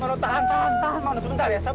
perasaan koko jadi gak enak